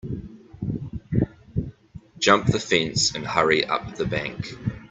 Jump the fence and hurry up the bank.